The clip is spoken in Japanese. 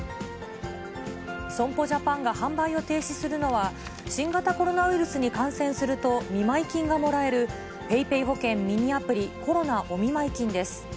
損保ジャパンが販売を停止するのは、新型コロナウイルスに感染すると、見舞い金がもらえる、ＰａｙＰａｙほけんミニアプリ、コロナお見舞い金です。